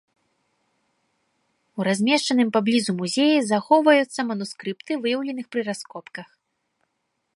У размешчаным паблізу музеі захоўваюцца манускрыпты, выяўленых пры раскопках.